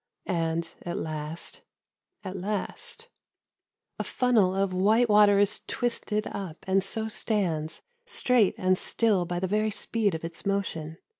And at last, at last ... A funnel of white water is twisted up and so stands, straight and still by the very speed of its motion.